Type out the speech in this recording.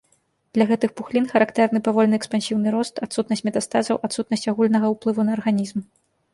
Для гэтых пухлін характэрны павольны экспансіўны рост, адсутнасць метастазаў, адсутнасць агульнага ўплыву на арганізм.